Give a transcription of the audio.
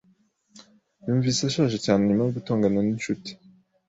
Yumvise ashaje cyane nyuma yo gutongana n'inshuti.